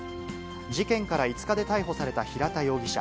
事件から５日で逮捕された平田容疑者。